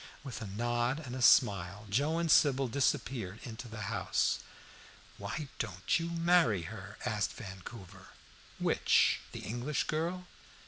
With a nod and a smile Joe and Sybil disappeared into the house. "Why don't you marry her?" asked Vancouver. "Which? The English girl?"